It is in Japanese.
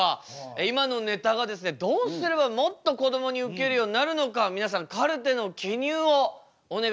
今のネタがですねどうすればもっとこどもにウケるようになるのか皆さんカルテの記入をお願いしたいと思います。